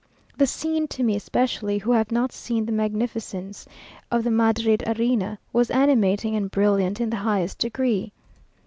The scene, to me especially, who have not seen the magnificence of the Madrid arena, was animating and brilliant in the highest degree.